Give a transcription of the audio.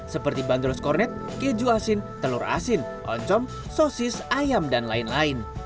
seperti bandros kornet keju asin telur asin oncom sosis ayam dan lain lain